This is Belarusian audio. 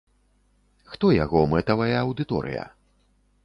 Хто яго мэтавая аўдыторыя?